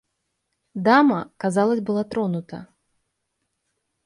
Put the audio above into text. Дама, казалось, была тронута.